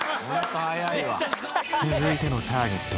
続いてのターゲットは。